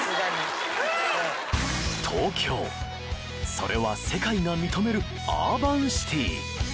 それは世界が認めるアーバンシティ